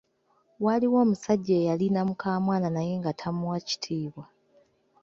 Waaliwo omusajja eyalina mukaamwana naye nga tamuwa kitiibwa.